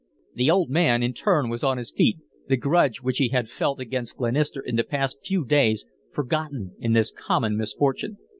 The old man in turn was on his feet, the grudge which he had felt against Glenister in the past few days forgotten in this common misfortune.